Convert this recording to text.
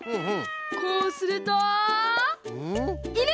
こうするといぬ！